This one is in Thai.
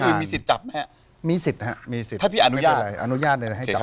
คือมีสิทธิ์จับไหมฮะมีสิทธิ์ฮะมีสิทธิ์ถ้าพี่อนุญาตอะไรอนุญาตเลยให้จับ